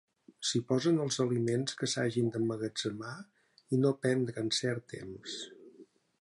S'hi posen els aliments que s'hagin d'emmagatzemar i no prendre en cert temps.